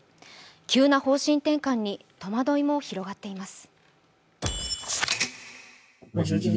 急な方針転換に戸惑いも広がっています。